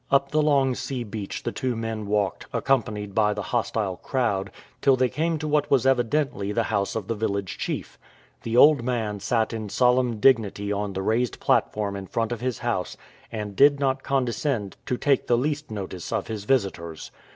Up the long sea beach the two men walked, accompanied by the hostile crowd, till they came to what was evidently the house of the village chief. The old man sat in solemn dignity on the raised platform in front of his house, and did not condescend to take the least notice of his visitors.